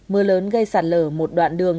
mưa lớn gây sạt lở một đoạn đường